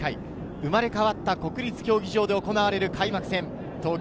生まれ変わった国立競技場で行われる開幕戦。